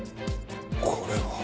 これは。